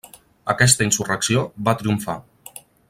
Aquesta insurrecció va triomfar.